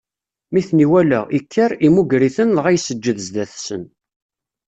Mi ten-iwala, ikker, immuger-iten, dɣa iseǧǧed zdat-sen.